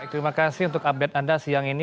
terima kasih untuk update anda siang ini